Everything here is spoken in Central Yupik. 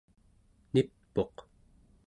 nip'uq